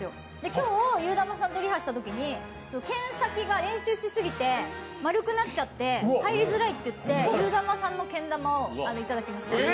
今日ゆーだまさんとリハしたときに、けん先が練習しすぎて丸くなっちゃって入りづらいっていって、ゆーだまさんのけん玉をいただきました。